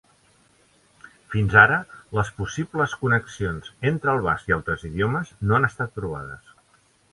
Fins ara, les possibles connexions entre el basc i altres idiomes no han estat provades.